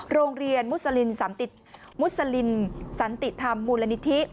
โรงเรียนมุษลินสันติธรรมมูลนิธิ